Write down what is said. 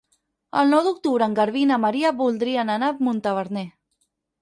El nou d'octubre en Garbí i na Maria voldrien anar a Montaverner.